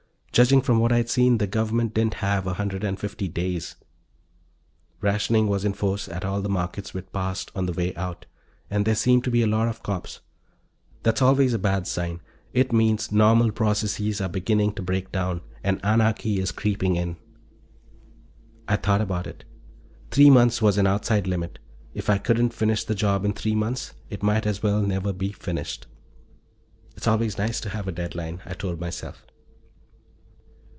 Judging from what I'd seen, the Government didn't have a hundred and fifty days. Rationing was in force at all the markets we'd passed on the way out, and there seemed to be a lot of cops. That's always a bad sign; it means normal processes are beginning to break down and anarchy is creeping in. I thought about it. Three months was an outside limit. If I couldn't finish the job in three months, it might as well never be finished. It's always nice to have a deadline, I told myself.